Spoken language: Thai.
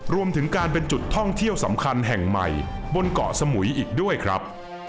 รวมถึงการเป็นจุดท่องเที่ยวสำคัญแห่งใหม่บนเกาะสมุยอีกด้วยครับ